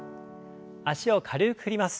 脚を軽く振ります。